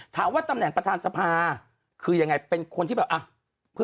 ถามว่าตำแหน่งประธานสภาคือยังไงเป็นคนที่แบบอ่ะ